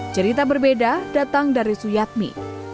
cerita berbeda datang dari suyatmi